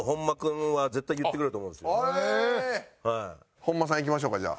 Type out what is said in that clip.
本間さんいきましょうかじゃあ。